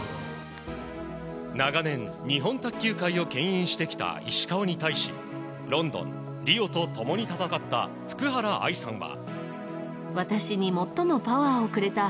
長年、日本卓球界をけん引してきた石川に対しロンドン、リオと共に戦った福原愛さんは。